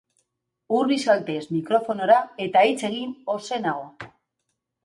Hurbil zaitez mikrofonora eta hitz egin ozenago.